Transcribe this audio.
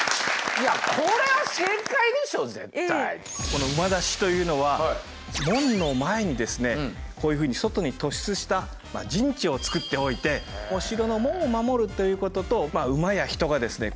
この馬出しというのは門の前にですねこういうふうに外に突出した陣地を作っておいてお城の門を守るということと馬や人がですね